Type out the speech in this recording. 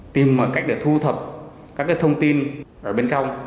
tìm mọi cách để thu thập các thông tin ở bên trong